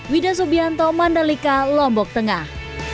wida subianto mandalika lombok tengah